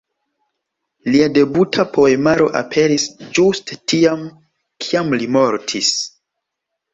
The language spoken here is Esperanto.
Lia debuta poemaro aperis ĝuste tiam, kiam li mortis.